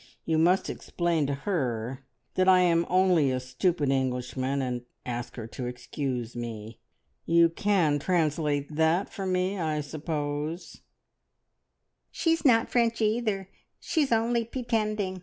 You must explain to her that I am only a stupid Englishman, and ask her to excuse me. You can translate that for me, I suppose?" "She's not French either; she's only pitending.